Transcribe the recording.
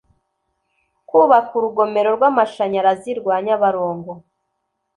kubaka urugomero rw amashanyarazi rwa Nyabarongo